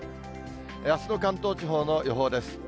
あすの関東地方の予報です。